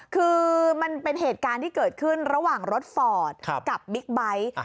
คือมันเป็นเหตุการณ์ที่เกิดขึ้นระหว่างรถฟอร์ดกับบิ๊กไบท์